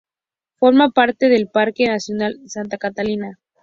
Forma parte del Parque nacional Santa Catalina.